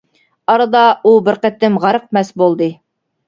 ئارىدا ئۇ بىر قېتىم غەرق مەست بولدى.